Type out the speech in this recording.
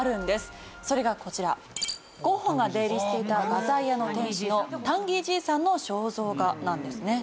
ゴッホが出入りしていた画材屋の店主のタンギー爺さんの肖像画なんですね。